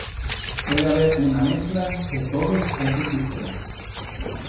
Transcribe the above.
Puede haber una mezcla de todos esos sistemas.